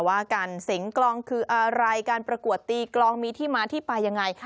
ว่าการเสียงกลองคืออะไรการประกวดตีกลองมีที่มาที่ไปยังไง